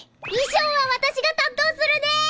衣装は私が担当するね！